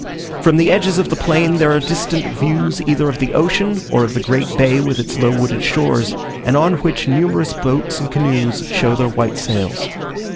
From the edges of the plain there are distant views either of the ocean, or of the great Bay with its low wooded shores, and on which numerous boats and canoes show their white sails.